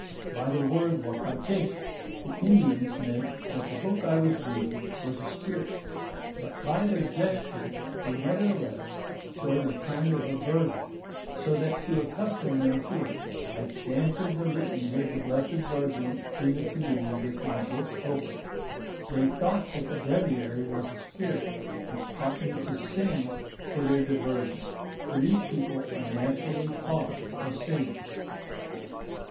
By the word Ouakanch^, the Indians meant that the book I was reading was a spirit ; bat by their gesture they nevertheless showed a kind of aversion, so that to accastom them to it, I chanted the litany of the Blessed Virgin in the canoe with ray book open. They thought that the breviary was a spirit which taught mo to sing for their diversion, for these people are naturally fond of singing.